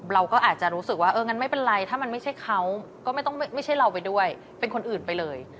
เราก็อาจจะรู้สึกว่าเอองั้นไม่เป็นไรถ้ามันไม่ใช่เขาก็ไม่ใช่เราไปด้วยเป็นคนอื่นไปเลย